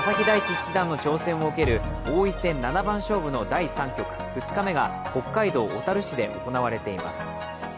七段の挑戦を受ける王位戦七番勝負の第３局、２日目が北海道小樽市で行われています。